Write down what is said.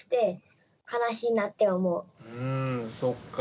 うーん、そっか。